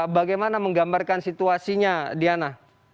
bagaimana menggambarkan situasinya diana